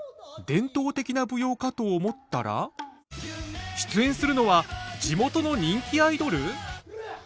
伝統的な舞踊かと思ったら出演するのは地元の人気アイドル！？